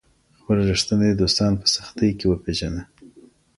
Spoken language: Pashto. خپل ریښتیني دوستان په سختۍ کي وپیژنه.